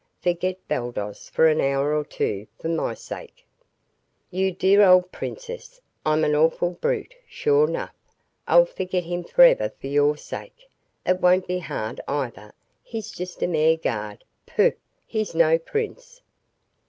Forget Baldos for an hour or two, for my sake." "You dear old princess, I'm an awful brute, sure 'nough. I'll forget him forever for your sake. It won't be hard, either. He's just a mere guard. Pooh! He's no prince."